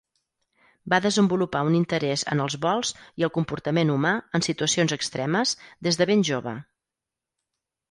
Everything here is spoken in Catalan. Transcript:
Va desenvolupar un interès en els vols i el comportament humà en situacions extremes des de ben jove.